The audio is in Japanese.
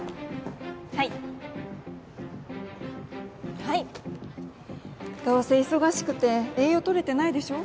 はいはいどうせ忙しくて栄養とれてないでしょ？